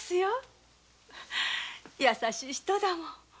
優しい人だもの。